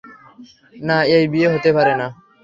না এই বিয়ে হতে পারে না।